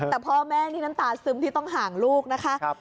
แต่พ่อแม่นี่น้ำตาซึมที่ต้องห่างลูกนะคะ